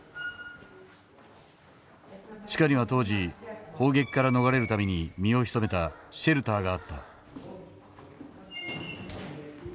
地下には当時砲撃から逃れるために身を潜めたシェルターがあった。